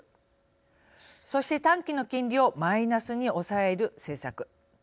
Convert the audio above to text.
そして短期の金利をマイナスに抑える政策。